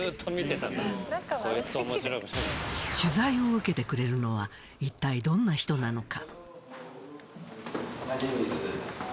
取材を受けてくれるのは一体どんな人なのか？